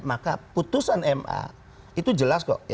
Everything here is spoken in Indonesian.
maka putusan ma itu jelas kok